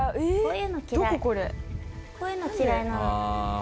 こういうの嫌いなの。